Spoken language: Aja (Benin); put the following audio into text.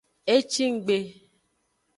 Ecinggbe.